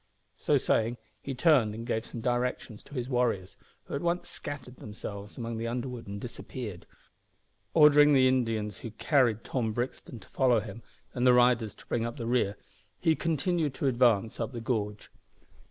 So saying, he turned and gave some directions to his warriors, who at once scattered themselves among the underwood and disappeared. Ordering the Indians who carried Tom Brixton to follow him, and the riders to bring up the rear, he continued to advance up the gorge.